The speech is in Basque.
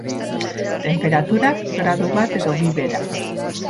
Tenperaturak, gradu bat edo bi behera.